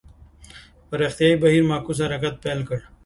پراختیايي بهیر معکوس حرکت پیل کړ.